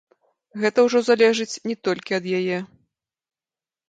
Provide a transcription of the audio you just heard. Гэта ўжо залежыць не толькі ад яе.